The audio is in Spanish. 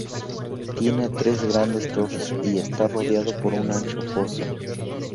Tiene tres grandes torres y está rodeado por un ancho foso.